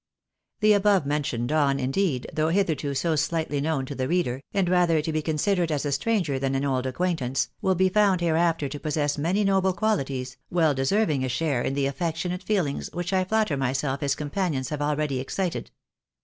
The above mentioned Don, indeed, though hitherto so slightly known to the reader, and rather to be considered as a stranger than an old acquaintance, will be found hereafter to possess many noble qualities, well deserving a share in the affectionate feelings, which I flatter myself his companions have already excited.